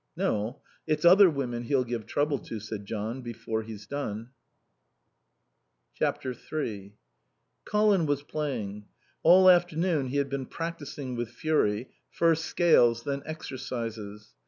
"No. It's other women he'll give trouble to," said John, "before he's done." iii Colin was playing. All afternoon he had been practising with fury; first scales, then exercises.